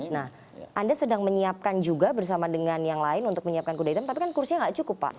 nah anda sedang menyiapkan juga bersama dengan yang lain untuk menyiapkan kuda hitam tapi kan kursinya nggak cukup pak